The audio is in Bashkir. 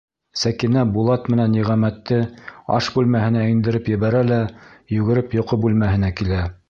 Сәкинә Булат менән Ниғәмәтте аш бүлмәһенә индереп ебәрә лә йүгереп йоҡо бүлмәһенә килә.